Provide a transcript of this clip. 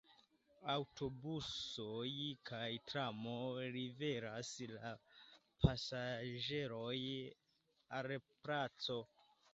Aŭtobusoj kaj tramo liveras la pasaĝerojn al la placo.